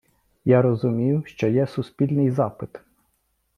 Я розумію, що є суспільний запит.